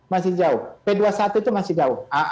masih jauh p dua puluh satu itu masih jauh